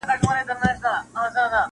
د سپي دا وصیت مي هم پوره کومه,